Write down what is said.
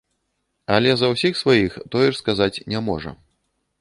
Але за ўсіх сваіх тое ж сказаць не можа.